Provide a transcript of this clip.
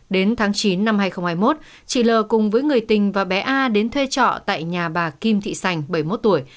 đến tháng chín năm hai nghìn hai mươi một chị l cùng với người tình và bé a đến thuê trọ tại nhà bà kim thị sành bảy mươi một tuổi